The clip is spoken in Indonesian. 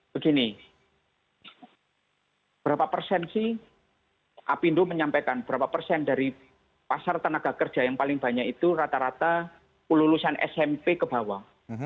begini berapa persen sih apindo menyampaikan berapa persen dari pasar tenaga kerja yang paling banyak itu rata rata lulusan smp ke bawah